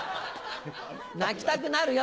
泣きたくなる夜！